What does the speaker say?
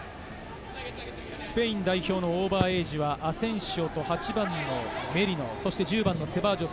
スペイン代表のオーバーエイジはアセンシオと８番のメリノ、１０番のセバジョス。